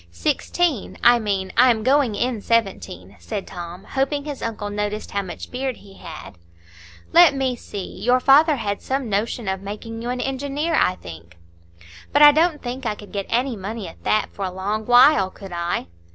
"Sixteen; I mean, I am going in seventeen," said Tom, hoping his uncle noticed how much beard he had. "Let me see; your father had some notion of making you an engineer, I think?" "But I don't think I could get any money at that for a long while, could I?"